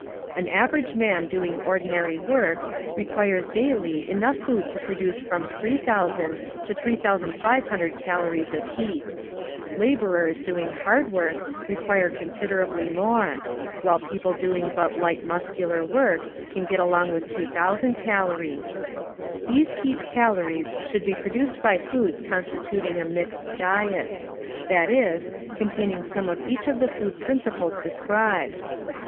An average man doing ordinary work requires daily enough food to produce from ;jOOO to ;^500 colorics of heat. Laborers doing hard work require ccmsiderably more, while peo])le doing but light muscular work can get along with 2000 calories. These heat calories should be produced by foods constituting a mixed diet; that is, containing some of each of the food principles described.